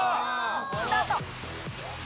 スタート！